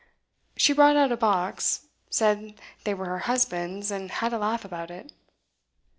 She brought out a box; said they were her husband's, and had a laugh about it.